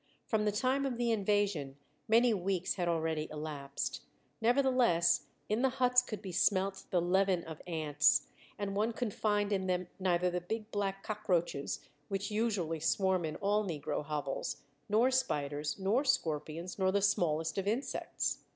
From the time of the invasion many weeks had already elapsed; nevertheless, in the huts could be smelt the leaven of ants, and one could find in them neither the big black cock roaches, which usually swarm in all negro hovels, nor spiders nor scorpions nor the smallest of insects.